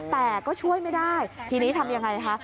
แต่ก็ช่วยไม่ได้ทีนี้ทำยังไงคะ